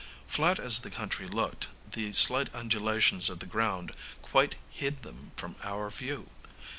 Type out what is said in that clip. Flat as the country looked, the slight undulations of the ground quite hid them from our view.